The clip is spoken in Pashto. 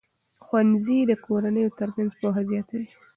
ښوونځي د کورنیو ترمنځ پوهه زیاتوي.